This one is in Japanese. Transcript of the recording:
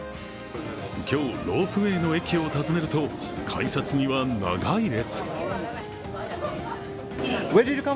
今日、ロープウェイの駅を訪ねると改札には長い列。